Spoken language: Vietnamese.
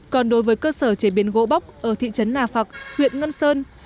còn đối với cơ sở chế biến gỗ bóc ở thị trấn nà phạc huyện ngân sơn